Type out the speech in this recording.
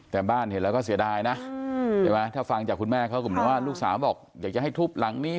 ถามบรรยายแหน่หละถ้าฟังจากคุณแม่เขากลมว่ารุกษาบอกอยากจะให้ทุบหลังนี้